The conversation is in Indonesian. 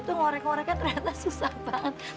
itu ngorek ngoreknya ternyata susah banget